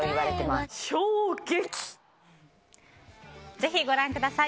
ぜひご覧ください。